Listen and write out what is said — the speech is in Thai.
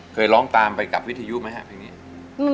เคยร้องตามไปกับวิทยุไหมครับเพลงนี้